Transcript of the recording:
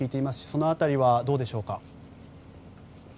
その辺りはどうでしょうか？